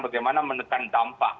bagaimana menekan dampak